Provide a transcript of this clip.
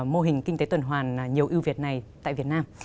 mô hình kinh tế tư đoàn hoàn nhiều ưu việt này tại việt nam